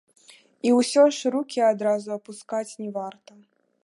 І ўсё ж рукі адразу апускаць не варта.